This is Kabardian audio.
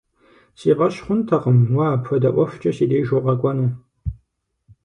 Си фӀэщ хъунтэкъым уэ апхуэдэ ӀуэхукӀэ си деж укъэкӀуэну.